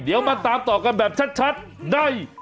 เดี๋ยวมาตามต่อกันแบบชัดใน